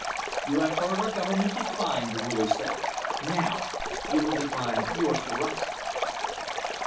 "You have heard our government defined," the Ruler said. "Now, you will define yours for us."